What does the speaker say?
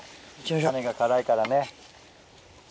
種が辛いからね。